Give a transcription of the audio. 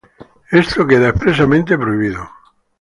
Esto queda expresamente prohibido.